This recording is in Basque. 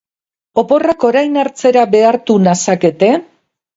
Oporrak orain hartzera behartu nazakete?